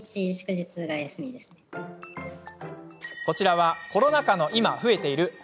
こちらは、コロナ禍の今増えている